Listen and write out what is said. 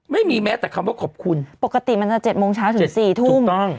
ไม่มีแม้แต่คำว่าขอบคุณปกติมันจะเจ็ดโมงเช้าถึง๔ทุ่มถูกต้อง